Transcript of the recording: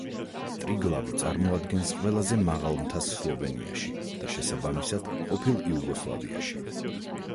ტრიგლავი წარმოადგენს ყველაზე მაღალ მთას სლოვენიაში და შესაბამისად ყოფილ იუგოსლავიაში.